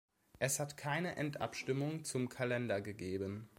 Es hat keine Endabstimmung zum Kalender gegeben.